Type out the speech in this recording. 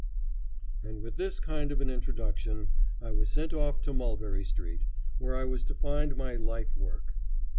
And with this kind of an introduction I was sent off to Mulberry Street, where I was to find my life work.